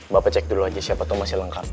bapak cek dulu aja siapa tuh masih lengkap